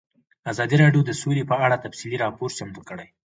ازادي راډیو د سوله په اړه تفصیلي راپور چمتو کړی.